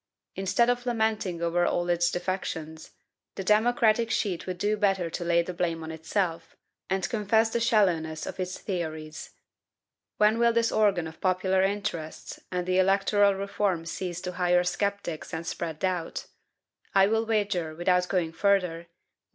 Instead of lamenting over all its defections, the democratic sheet would do better to lay the blame on itself, and confess the shallowness of its theories. When will this organ of popular interests and the electoral reform cease to hire sceptics and spread doubt? I will wager, without going further, that M.